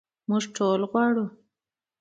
موږ ټول غواړو.